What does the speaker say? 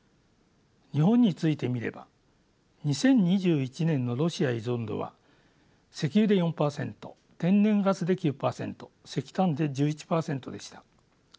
日本について見れば２０２１年のロシア依存度は石油で４％天然ガスで９％石炭で１１％でした。